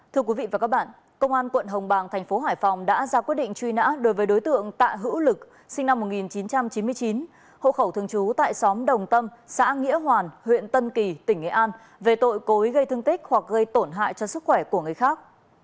thưa quý vị và các bạn công an quận hồng bàng thành phố hải phòng đã ra quyết định truy nã đối với đối tượng tạ hữu lực sinh năm một nghìn chín trăm chín mươi chín hộ khẩu thường trú tại xóm đồng tâm xã nghĩa hoàn huyện tân kỳ tỉnh nghệ an về tội cối gây thương tích hoặc gây tổn hại cho sức khỏe của người khác